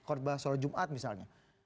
kotbah solo jumat misalnya